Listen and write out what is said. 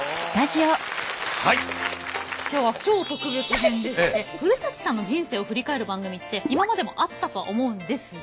今日は超特別編でして古さんの人生を振り返る番組って今までもあったとは思うんですが。